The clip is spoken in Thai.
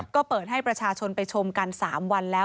ก็เปิดให้ประชาชนไปชมกัน๓วันแล้ว